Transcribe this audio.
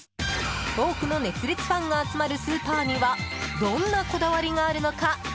多くの熱烈ファンが集まるスーパーにはどんなこだわりがあるのか？